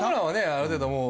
ある程度もう。